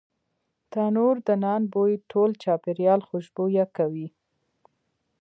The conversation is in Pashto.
تنوردنان بوی ټول چاپیریال خوشبویه کوي.